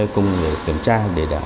cùng kiểm tra bán thực phẩm